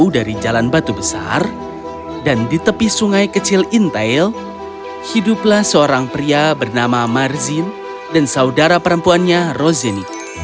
dan di tepi sungai kecil intail hiduplah seorang pria bernama marzin dan saudara perempuannya rosenik